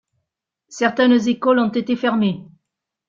Certaines écoles on étés fermées.